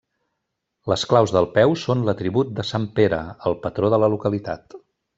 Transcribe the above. Les claus del peu són l'atribut de sant Pere, el patró de la localitat.